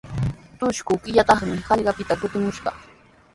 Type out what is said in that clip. Trusku killataraqmi hallqapita kutimushaq.